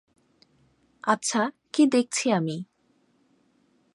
আচ্ছা, কী দেখছি আমি?